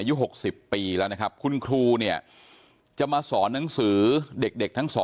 อายุ๖๐ปีแล้วนะครับคุณครูเนี่ยจะมาสอนหนังสือเด็กทั้ง๒